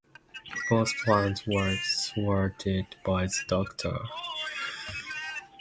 Both plans were thwarted by the Doctor.